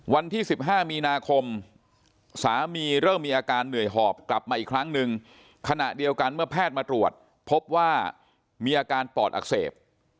วันที่๑๕มีนาคมสามีเริ่มมีอาการเหนื่อยหอบกลับมาอีกครั้งนึงขณะเดียวกันเมื่อแพทย์มาตรวจพบว่ามีอาการปอดอักเสบ